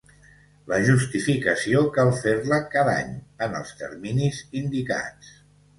La justificació cal fer-la cada any, en els terminis indicats.